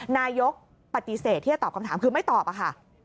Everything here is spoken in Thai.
นายกปฏิเสธที่จะตอบคำถามคือไม่ตอบอะค่ะ